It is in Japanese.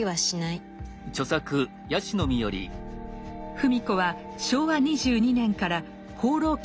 芙美子は昭和２２年から「放浪記」